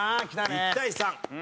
１対３？